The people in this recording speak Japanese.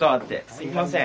すいません。